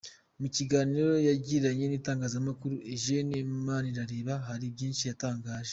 Mu kiganiro yagiranye n'Itangazamakuru, Eugene Manirareba hari byinshi yatangaje.